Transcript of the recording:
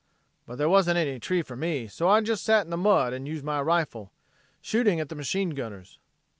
But there wasn't any tree for me, so I just sat in the mud and used my rifle, shooting at the machine gunners."